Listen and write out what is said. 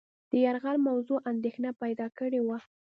د یرغل موضوع اندېښنه پیدا کړې وه.